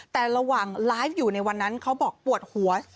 แต่ระหว่างไลฟ์อยู่ในวันนั้นเขาบอกปวดหัว